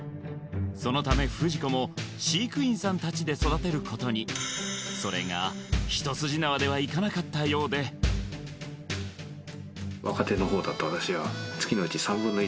そのためフジコも飼育員さんたちで育てることにそれが一筋縄ではいかなかったようでになってました